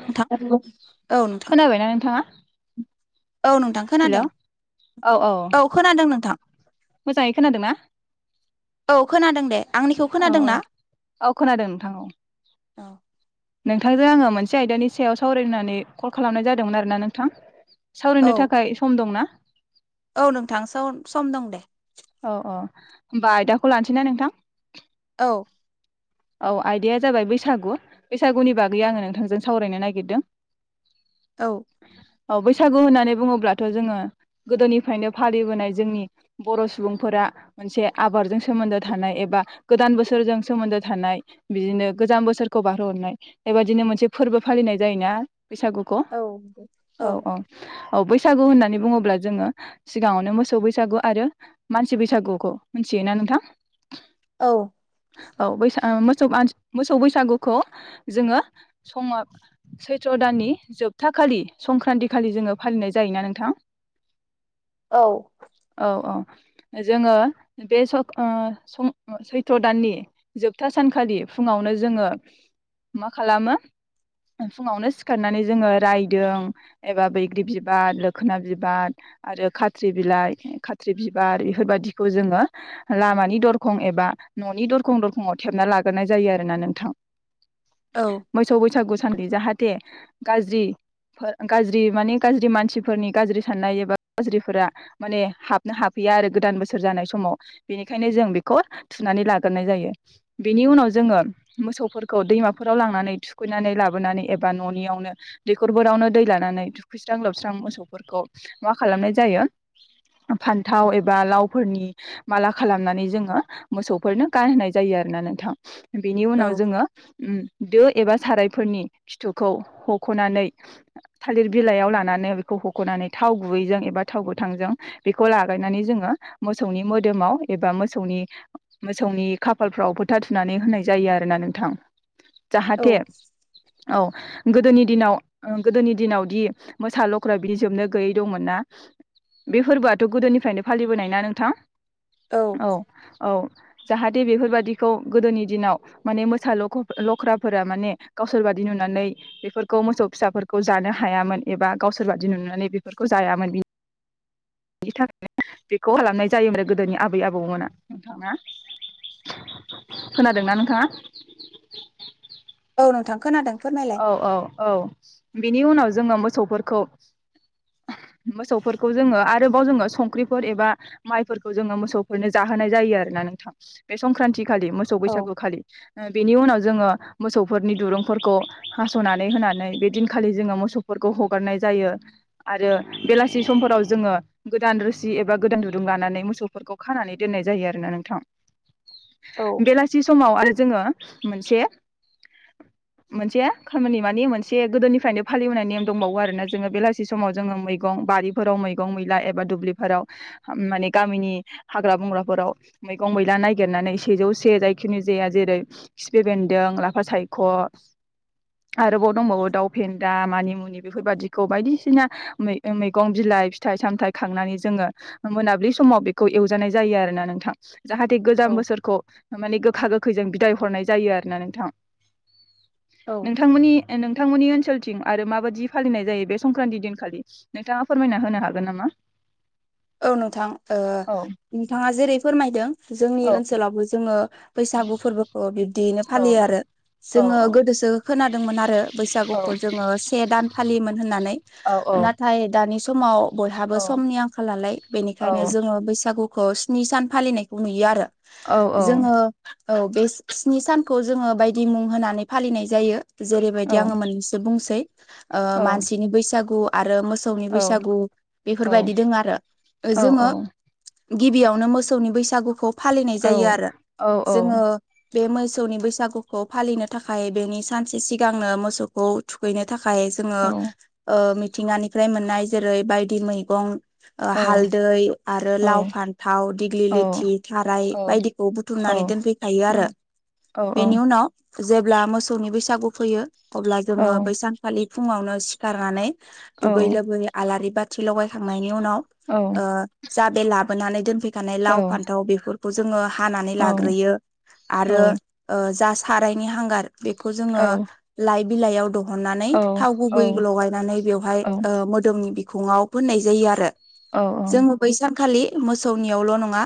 नोंथाङा औ नोंथां खोनाबायना नोंथाङा औ नोंथां हेलौ खोनादों। औ खोनादों नोंथां। मोजाङै खोनादों ना औ खोनादों दे आंनिखौ औ खोनादों औ ना औ खोनादों नोंथां औ औ नोंथांजों आङो मोनसे आयदानि सायाव सावरायनो होननानै कल खालामनाय जादोंमोन आरोना नोंथां सावरायनो थाखाय सम दंना औ नोंथांसो सम सम दं दे अ अ होमबा आयदाखौ लानोसैना नोंथां औ औ आयदाया जाबाय बैसागु बैसागुनि बागै आङो नोंथांजों सावरायनो नागिरदों औ औ बैसागु होननानै बुङोब्लाथ जोङो गोदोनिफ्रायनो फालिबोनाय जोंनि बर' सुबुंफोरा मोनसे आबादजों सोमोन्दो थानाय एबा गोदान बोसोरजों सोमोन्दो थानाय बिदिनो गोजाम बोसोरखौ बारहोहरनाय बेबायदिनो मोनसे फोरबो फालिनाय जायोना बैसागुखौ औ औ औ औ बैसागु होननानै बुङोब्ला जोङो सिगाङावनो मोसौ बैसागु आरो मानसि बैसागुखौ मिथियोना नोंथां औ औ मोसौ मोसौ बैसागुखौ जोङो समाव सैथ्र दाननि जोबथा खालि संक्रान्ति खालि जोङो फालिनाय जायोना नोंथां औ औ औ जोङो बे स सं सैथ्र दाननि जोबथा सानखालि फुङावनो जोङो मा खालामो फुङावनो सिखारनानै जोङो रायदों एबा बैग्रि बिबार लोखोना बिबार आरो खाथ्रि बिलाइ खाथ्रि बिबार बेफोरबायदिखौ जोङो लामानि दरखं एबा न'नि दरखं दरखङाव थेबना ला ग्रोनाय जायो आरोना नोंथां मोसौ बैसागु साननि जाहाथे गाज्रि गाज्रि माने गाज्रि मानसिफोरनि गाज्रि साननाय एबा गाज्रिफोरा माने हाब हाफैया आरो गोदान बोसोर जानाय समाव बेनिखायनो जों बेखौ थुनानै लागोरनाय जायो बेनि उनाव जोङो मोसौफोरखौ दैमाफोराव लांनानै थुखैनानै लाबोनानै एबा न'नियावनो दै खरफोरावनो दै लानानै दुखैस्रां लोबस्रां मोसौफोरखौ मा खालामनाय जायो फान्थाव एबा लावफोरनि माला खालामनानै जोङो मोसौफोरनो गानहोनाय जायो आरोना नोंथां बेनि औ उनाव जोङो दो एबा सारायफोरनि खिथुखौ हखनानै थालिर बिलाइयाव लानानै बेखौ हखना नै थाव गुबैजों एबा थाव गोथांजों बेखौ लागायनानै जोङो मोसौनि मोदोमाव एबा मोसौनि मोसौनि खाफालफ्रावबो फोथा थुनानै होनाय जायो आरोना नोंथां जाहाथे औ गोदोनि दिनाव गोदोनि दिनावदि मोसा लख्रा बिदि जोबनो गैयै दंमोनना बे फोरबोआथ गोदोनिफ्रायनो फालिबोनायना नोंथां औ औ जाहाथे बेफोरबादिखौ गोदोनि दिनाव माने मोसा लख्राफोरा माने गावसोरबा दि नुनानै बेफोरखौ मोसौ फिसाफोरखौ जानो हायामोन एबा गावसोरबादि नुनानै बेफोरखौ जायामोन बि [inaudible] बिनि थाखायनो बेखौ खालामनाय जायोमोन गोदोनि आबै आबौमोना नोंथाङा खोनादोंना नोंथाङा औ नोंथां खोनादों फोरमायलाय औ औ औ बिनि उनाव जोङो मोसौफोरखौ मोसौफोरखौ जोङो आरोबाव जोङो संख्रिफोर एबा माइफोरखौ जोङो मोसौफोरनो जाहो नाय जायो आरो ना नोंथां खालि मोसौ औ बैसागु खालि बेनि उनाव जोङो मोसौफोरनि दुरुंफोरखौ हासनानै होनानै बे दिनखालि जोङो मोसौफोरखौ हगारनाय जायो आरो बेलासि सम हराव जोङो गोदान रोसि एबा गोदान दुरुं लानानै मोसौफोरखौ खानानै दोननाय जायो आरोना नोंथां औ बेलासि समाव आरो जोङो मोनसे मोनसे खामानि मानि मोनसे गोदोनिफ्रायनो फालिबोनाय नेम दंबावो आरोना जोङो बेलासि समाव जोङो मैगं बारिफोराव मैगं मैला एबा दुब्लिफोराव माने गामिनि हाग्रा बंग्राफोराव मैगं मैला नागि रनानै सेजौ से जायखिनि जाया जेरै खिफि बेन्दों लाफा सायख' आरोबाव दंबावो दाउ फेन्दा मानिमुनि बेफोरबायाददिखौ बायदिसिना ओ मैगं बिलाइ फिथाइ सामथायाइ खांनानै जोङो मोनाबिलि समाव बेखौ एवजानाय जायो आरो ना नोंथां जाहाथे गोजाम औ बोसोरखौ माने गोखा गोखैजों बिदाय हरनाय जायो आरो ना नोंथां औ नोंथांमोननि नोंथांमोननि ओनसोलथिं आरो माबादायदि फालिनाय जायो बे संक्रान्ति दिनखालि नोंथाङा फोरमायना होनो हागोन नामा? [inaudible] औ नोंथां ओ औ नोंथाङा जेरै फोरमायदों जोंनि औ ओनसोलावबो जोङो बैसागु फोरबोखौ बिब्दियैनो औ फालियो आरो औ जोङो गोदोसो खोनादोंमोन आरो औ बैसागुखौ जोङो से दान फालियोमोन होननानै औ नाथाय दानि समाव बयहाबो समनि आंखालनालाय औ बेनिखायनो जोङो बैसागु खौ स्नि सान फालिनायखौ नुयो आरो जोङो औ बे स्नि सानखौ जोङो बायदि मुं होनानै फालिनाय जायो जेरैबायदि आङो मोननैसो बुंसै मानसिनि बैसागु आरो मो मोसौनि बैसागु बेफोरबायदि दङ आरो जोङो गिबियावनो मोसौनि बैसागुखौ फालिनाय जायो आरो औ औ औ जोङो बे मोसौनि बैसागुखौ फालिनो थाखाय बेनि सानसे सिगांनो मोसौखौ थुखैनो थाखाय जोङो ओ मिथिंगानिफ्राय मोननाय जेरै बायदि मैगं ओ हालदै आरो लाव फान्थाव दिग्लि लिथि थाराय बायदिखौ बुथुमनानै दोनफैखायो आरो बेनि उनाव जेब्ला मोसौनि बैसागु फैयो अब्ला जोङो बैसानखालि फुङावनो सिखारनानै दुगै लोबै आलारि बाथि लगायखांनायनि उनाव ओ जा बे लाबोनानै दोनफैखानाय लाव फान्थाव बेफोरखौ जोङो हानानै लाग्रोयो आरो जा सारायनि हांगार बेखौ जोङो लाइ बिलाइयाव द हननानै थाव गुबै लगायनानै बेवहाय मोदोमनि ओ बिखुङाव फोननाय जायो आरो जोङो बै सानखालि मोसौनियावल' नङा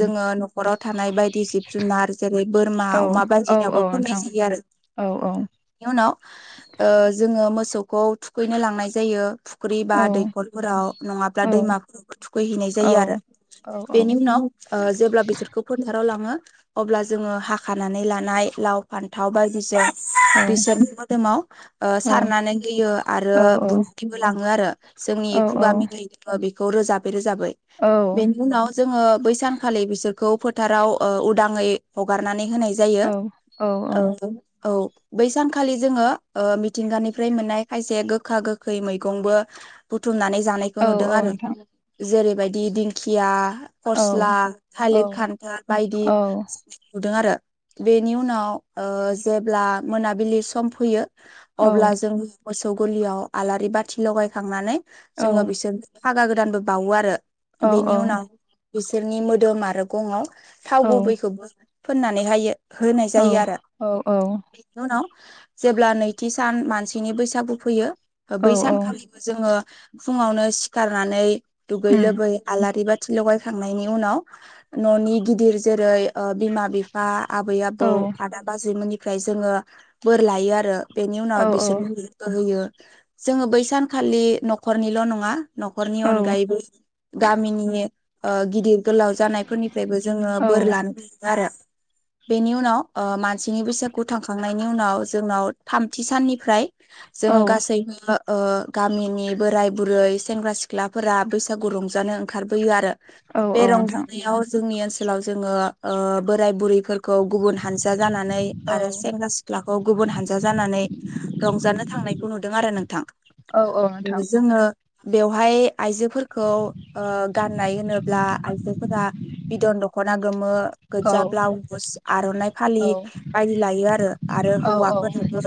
जोङो न'खराव थानाय बायदि जिब जुनार जेरै बोरमा अमा बायदिनियावबो औ फोननाय नोंथां जायो आरो औ औ बेनि उनाव ओ जोङो मो म़सौखौ थुखैनो लांनाय जायो फुख्रि औ बा दैखरफोराव औ नङाब्ला दैमाफोरावबो थुखैहैनाय औ जायो आरो औ बेनि उनाव जेब्ला बिसोरखौ फोथाराव लाङो अब्ला जोङो हाखानानै लानाय लानाय फान्थाव बायदिसिना औ बिसोरनि मोदोमाव ओ औ सारनानै होयो आरो औ बुंथिबो लाङो आरो जोंनि खुगा औ मेथाइ बेखौ रोजाबै रोजाबै औ बेनि उनाव जोङो बै सानखालि बिसोर खौ फोथाराव ओ उदाङै हगारनानै होनाय जायो औ औ बै सानखालि जोङो ओ मिथिंगानिफ्राय मोननाय खायसे गोखा गोखै मैगंबो बुथुमनानै जानायखौ औ नुदों आरो नोंथां जेरैबायदि दिंखिया औ फस्ला औ थालिर खान्थाल बायदि औ नुदों आरो बेनि उनाव ओ जेब्ला मोनाबिलि सम फैयो औ अब्ला जों मोसौ गलियाव आलारि बाथि लगायखांनानै औ जोङो बिसोर फागा गोदानबो बावो आरो बेनि उनाव बिसोरनि मोदोम आरो गङाव थाव गुबैखौबो फोननानैहायो होनाय जायो औ आरो औ उम औ बेनि उनाव जेब्ला नैथि सान मानसिनि बैसागु फैयो बै सानखालिबो जोङो फुङावनो सिखारनानै दुगै लोबै आलारि बाथि थि लगायखांनायनि उनाव न'नि गिदिर जेरै बिमा बिफा आबै आबौ आदा बाजैमोननिफ्राय जोङो बोर लायो आरो बेनि उनाव बिसोरनो [unintelligible] बो होयो जोङो बै सानखालि न'खरनिल' नङा न'खरनि अनगायैबो गामिनि ओ गिदिर गोलाव जानायफोरनिफ्रायबो जोङो बोर लानो थाङो आरो [inaudible] बेनि उनाव ओ मानसिनि बैसागु थांखांनायनि उनाव जोंनाव थामथि साननिफ्राय जोङो औ गासैबो गामिनि बोराय बुरै सेंग्रा सिख्लाफोरा बैसागु रंजानो ओंखारबोयो आरो औ बे नोंथां रंजानायाव जोंनि ओनसोलाव जोङो बोराय बुरि फोरखौ गुबुन हानजा जानानै आरो औ सेंग्रा सिख्लाखौ गुबुन हानजा जानानै रंजानो थांनायखौ नुदों आरो नोंथां औ औ नोंथां औ जोङो बहाय आइजोफोरखौ गाननाय होनोब्ला आइजोफोरा बिदन दख'ना गोमो गोजा औ ब्लाउस आर'नाइ फालि बायदि लायो आरो आरो औ हौवाफोरनोबो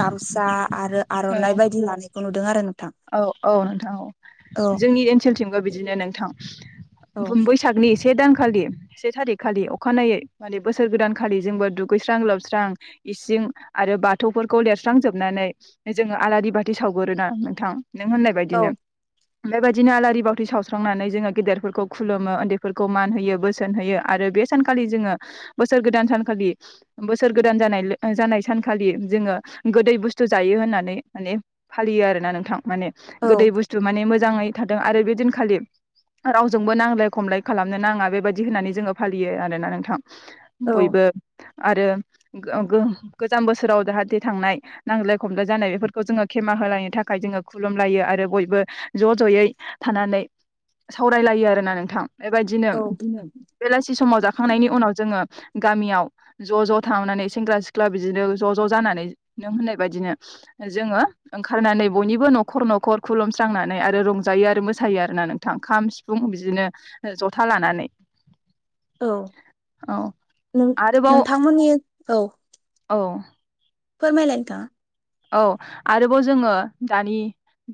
गामसा आरो आर'नाइ बायदि लानायखौ नुदों आरो नोंथां औ औ नोंथां औ जोंनि ओनसोलथिंबो बिदिनो नोंथां औ बैसागनि से दानखालि से थारिख खालि अखानायै माने बोसोर गोदानखालि जोंबो दुगैस्रां लोबस्रां इसिं आरो बाथौफोरखौ लिरस्रांजोबनानै जोङो आलारि बाथि सावगोरोना थां नों होननाय बायदिनो बेबायदिनो आलारि बाथि सावस्रांनानै जोङो गेदेरफोरखौ खुलुमो उन्दैफोरखौ मान होयो बोसोन होयो आरो बे सानखालि जोङो बोसोर गोदान सानखालि बोसोर गोदान जानाय जानाय सानखालि जोङो गोदै बुस्थु जायो होननानै माने फालियो आरोना नोंथां माने औ गोदै बुस्थु माने मो जाङै थादों आरो बे दिनखालि रावजोंबो नांजलाय खमलाय खालामनो नाङा बेबायदि होननानै जोङो फालियो आरोना नोंथां औ बयबो आरो गोजाम बोसोराव जाहाथे थांनाय नांज्लाय खमलाय जानाय बेफोरखौ जोङो खेमा होलायनो थाखाय जोङो खुलुमलायो आरो बयबो ज' ज'यै थानानै सावरायलायो आरोना नोंथां बेबायदिनो बेलासि समाव जाखांनायनि उनाव जोङो गामियाव ज' ज' थांनानै सेंग्रा सिख्ला बिदिनो ज' ज' जानानै नों होननाय बायदिनो जोङो ओंखारनानै बयनिबो न'खर न'खर खुलुमस्रांनानै आरो रंजायो आरो मोसायो आरोना नोंथां ओ खाम सिफुं बिदिनो जथा लानानै औ औ नों आरोबाव नोंथांमोननि औ औ फोरमायलाय नोंथाङा औ आरोबाव जोङो दानि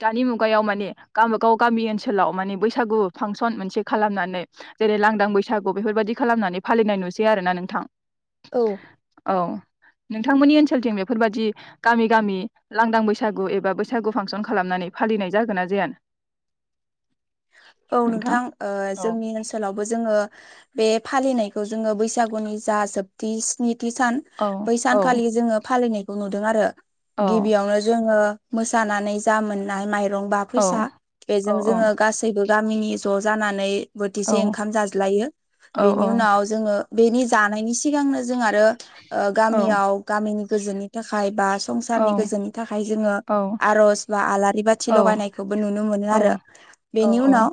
दानि मुगायाव माने गावबागाव गामि ओनसोलाव माने बैसागु फांसन मोनसे खालामनानै जेरै लांदां बैसागु बेफोरबायदि खालामनानै फालिनाय नुसै आरो आरोना नोंथां औ औ नोंथांमोननि ओनसोलथिं बेफोरबादि गामि गामि लांदां बैसागु एबा बैसागु फांसन खालामनानै फालिनाय जागोना जाया [inaudible] औ नोंथां औ जोंनि ओनसोलावबो जोङो बे फालिनायखौ जोङो बैसागुनि जा जोबथि स्नि थि सान औ बै औ सानखालि जोङो फालिनायखौ नुदों आरो औ गिबियावनो जोङो मोसानानै जा मोननाय माइरं बा औ फैसा औ बेजों जोङो गासैबो गामिनि ज' जानानै औ बोथिसे ओंखाम जाज्लायो औ बेनि उनाव जोङो बेनि जानायनि सिगांनो जों आरो औ गामियाव गामिनि गोजोननि थाखाय बा औ संसारनि गोजोननि थाखाय जोङो आर'ज बा आलारि बाथि औ लगायनायखौबो नुनो मोनो आरो औ बेनि औ उनाव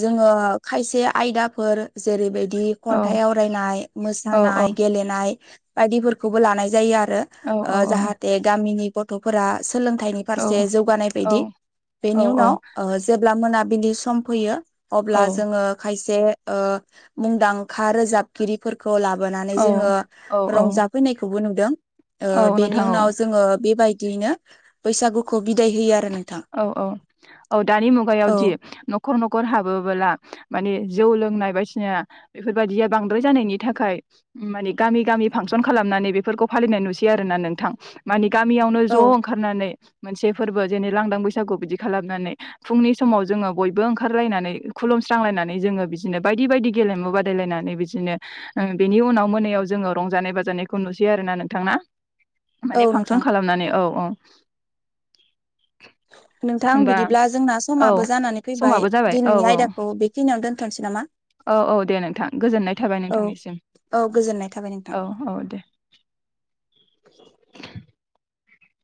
जोङो खायसे आयदाफोर जेरैबायदि खन्थाइ आवरायनाय मोसानाय गेलेनाय बायदिफोरखौबो लानाय जायो आरो जाहाथे गामिनि गथ'फोरा सोलोंथाइनि फारसे जौगानाय बायदि बेनि उनाव जेब्ला मोना बिलि सम फैयो अब्ला जोङो खायसे मुंदांखा रोजाबगिरिफोरखौ लाबोनानै जोङो औ रंजाफैनायखौबो नुदों औ बेनि नोंथां औ उनाव जोङो बेबायदियैनो बैसागुखौ बिदाय होयो आरो नोंथां औ औ औ दानि औ मुगायावदि न'खर न'खर हाबोबोला माने जौ लोंनाय बायदिना बेफोरबायदिया बांद्राय जानायनि थाखाय मानि गामि गामि फांसन खालामनानै बेफोरखौ फालिनाय नुसैयो आरो ना नोंथां मानि गामियावनो औ ज' ओंखारनानै मोनसे फोरबो जेनेबा लांदां बैसागु बिदि खालामनानै फुंनि समाव जोङो बयबो ओंखारलायनानै खुलुमस्रांलायनानै जोङो बिदिनो बायदि बायदि गेलेमु बादायलायनानै बिदिनो बेनि उनाव मोनायाव जोङो रंजानाय बाजानायखौ नु सै आरोना नोंथां ना औ माने फांसन नोंथां खालामनानै औ औ नोंथां होमबा बिदिब्ला जोंना औ समाबो जानानै फैबाय समाबो जाबाय औ दिनैनि औ आयदाखौ बेखिनियाव दोन थनोसै नामा औ औ दे नोंथां गोजोननाय थाबाय औ नोंथांनिसिम औ गोजोननाय थाबाय नोंथां। औ औ दे